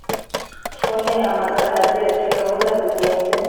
phone ahamagara agira atigahunda zigenze